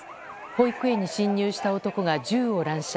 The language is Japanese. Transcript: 保育園に侵入した男が銃を乱射。